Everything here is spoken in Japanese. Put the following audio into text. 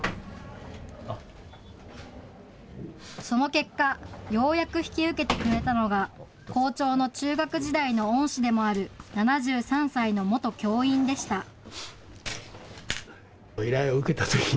その結果、ようやく引き受けてくれたのが、校長の中学時代の恩師でもある７３歳の元教員でした。